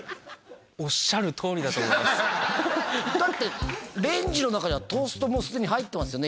いやだってレンジの中にはトーストもうすでに入ってますよね